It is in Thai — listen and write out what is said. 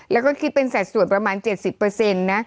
แล้วก็คิดเป็นสัดส่วนประมาณ๗๐นะ